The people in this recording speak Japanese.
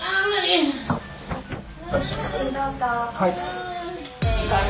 はい。